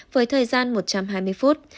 với thời gian một trăm hai mươi phút